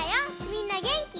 みんなげんき？